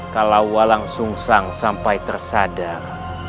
kalau walang sungsang sampai tersadar